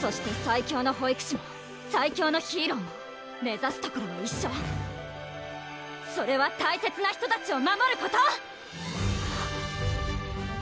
そして最強の保育士も最強のヒーローも目指すところは一緒それは大切な人たちを守ること！